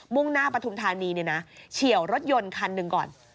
่งหน้าปฐุมธานีเนี่ยนะเฉียวรถยนต์คันหนึ่งก่อน